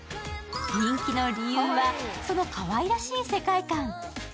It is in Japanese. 人気の理由は、そのかわいらしい世界観。